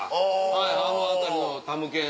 はいあの辺りのたむけん